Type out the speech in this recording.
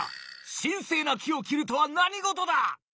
神聖な木を切るとは何事だ！？